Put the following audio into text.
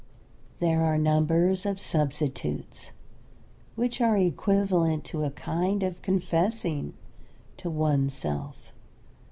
There are numbers of substitutes which are equivalent to a kind of confessing to oneself.